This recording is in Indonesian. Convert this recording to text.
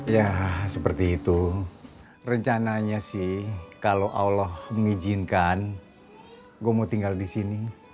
ya seperti itu rencananya sih kalau allah mengizinkan gue mau tinggal di sini